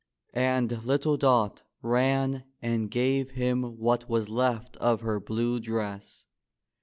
^' and little Dot ran and gave him what was left of her blue dress.